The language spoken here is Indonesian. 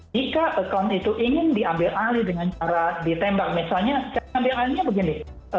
jika account itu ingin diambil alih dengan cara ditembak misalnya cara diambil alihnya begini